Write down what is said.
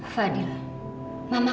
kamonly aku tengah marah